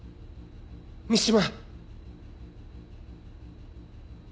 三島！